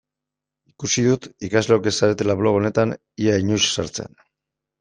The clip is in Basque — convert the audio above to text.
Ikusi dut ikasleok ez zaretela blog honetan ia inoiz sartzen.